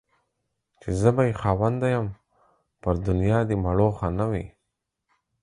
چي زه بې خاونده يم ، پر دنيا دي مړوښه نه وي.